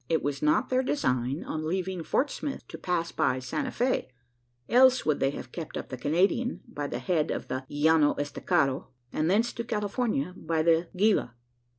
It was not their design, on leaving Fort Smith, to pass by Santa Fe else would they have kept up the Canadian, by the head of the Llano Estacado; and thence to California by the Gila.